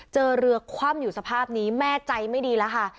เจอเรือคว่ำอยู่สภาพนี้แม่ใจไม่ดีแล้วค่ะ